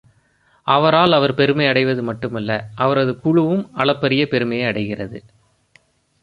அவரால் அவர் பெருமை அடைவது மட்டுமல்ல, அவரது குழுவும் அளப்பரிய பெருமையை அடைகிறது.